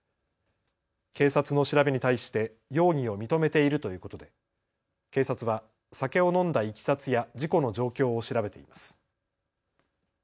警察の調べに対して容疑を認めているということで警察は酒を飲んだいきさつや事故の状況を調べています。